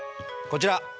こちら。